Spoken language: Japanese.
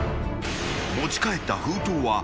［持ち帰った封筒は３枚。